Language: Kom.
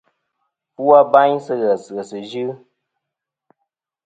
Fu abayn sɨ̂ ghès ghèsɨ̀ yɨ.